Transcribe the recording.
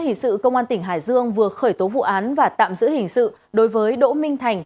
hoàn tỉnh hải dương vừa khởi tố vụ án và tạm giữ hình sự đối với đỗ minh thành